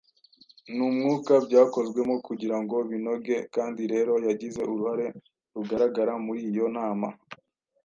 n'umwuka byakozwemo kugira ngo binoge kandi rero yagize uruhare rugaragara muri iyo Nama